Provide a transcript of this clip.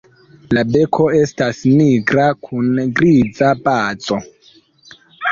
La beko estas nigra kun griza bazo.